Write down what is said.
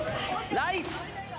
ナイス。